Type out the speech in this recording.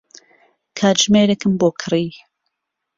کاتژمێرێکم بۆ کڕی.